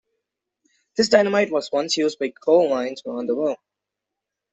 This dynamite was once used by coal mines around the world.